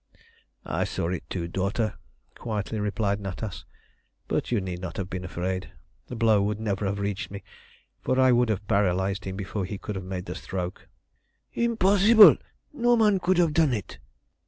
"I saw it too, daughter," quietly replied Natas. "But you need not have been afraid; the blow would never have reached me, for I would have paralysed him before he could have made the stroke." "Impossible! No man could have done it!"